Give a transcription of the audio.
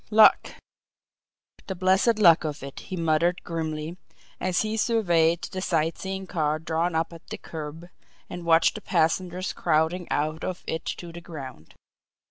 "Luck! The blessed luck of it!" he muttered grimly, as he surveyed the sight seeing car drawn up at the curb, and watched the passengers crowding out of it to the ground.